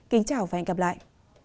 kính chào và hẹn gặp lại